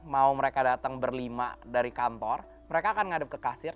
mau mereka datang berlima dari kantor mereka akan ngadep ke kasir